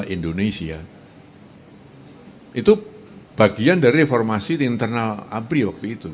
indonesia itu bagian dari reformasi internal abri waktu itu